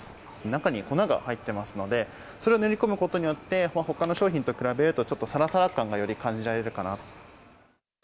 中に粉が入ってますので、それを塗り込むことによって、ほかの商品と比べると、ちょっとさらさら感がより感じられるかなと。